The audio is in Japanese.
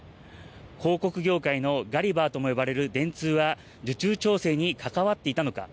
広告業界のガリバーとも呼ばれる電通は受注調整に関わっていたのか。